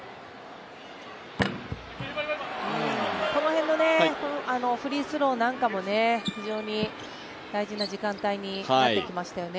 この辺のフリースローなんかも非常に大事な時間帯になってきましたよね